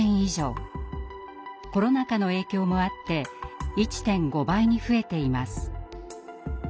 コロナ禍の影響もあって１．５倍に増えています。